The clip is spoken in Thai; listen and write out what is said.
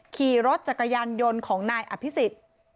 ขี่รถจักรยานยนต์ของนายอภิษฎ